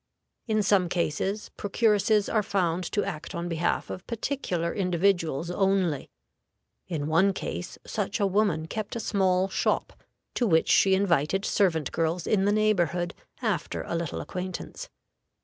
In some cases procuresses are found to act on behalf of particular individuals only. In one case, such a woman kept a small shop, to which she invited servant girls in the neighborhood after a little acquaintance.